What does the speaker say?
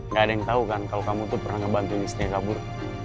gak ada yang tau kan kalo kamu tuh pernah ngebantuin istrinya kabur